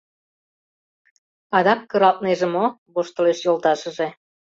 — Адак кыралтнеже мо? — воштылеш йолташыже.